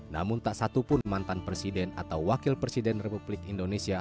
namun tak satupun mantan presiden atau wakil presiden republik indonesia